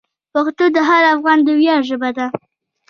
پښتو د هر افغان د ویاړ ژبه ده.